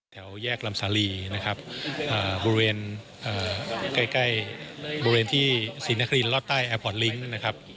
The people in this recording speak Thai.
แถวแยกลำสาลีบุเรนที่ศรีนครีนลอดใต้แอร์พอร์ตลิ้งค์